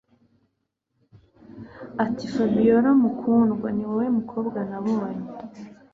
atiFabiora mukundwa niwowe mukobwa nabonye